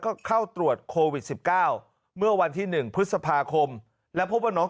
ก็เข้าตรวจโควิด๑๙เมื่อวันที่๑พฤษภาคมแล้วพบว่าน้อง